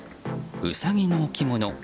ウサギの置物。